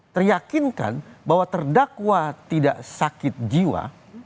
teryakinkan bahwa terdakwa tidak sakit jiwa